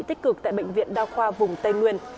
tích cực tại bệnh viện đa khoa vùng tây nguyên